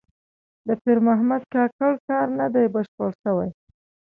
د پیر محمد کاکړ کار نه دی بشپړ شوی.